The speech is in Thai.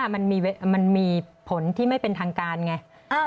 มันมีผลที่ไม่เป็นทางการไง